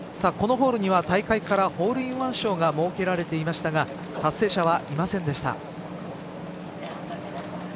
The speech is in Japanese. このホールには大会からホールインワン賞が設けられていましたが達成者はいませんでした。